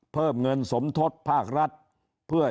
เพิ่มเงินสมทศภาครัฐเพื่อ